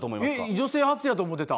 女性初やと思ってた。